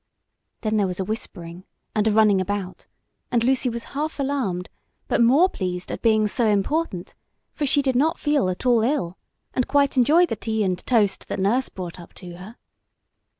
Then there was a whispering and a running about, and Lucy was half alarmed, but more pleased at being so important, for she did not feel at all ill, and quite enjoyed the tea and toast that Nurse brought up to her.